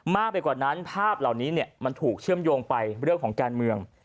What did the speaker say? มากไปกว่านั้นภาพเหล่านี้มันถูกเชื่อมโยงไปเรื่องของการเมือง